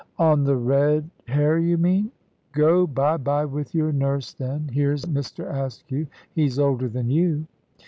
"On the red hair, you mean. Go bye bye with your nurse, then. Here's Mr. Askew, he's older than you."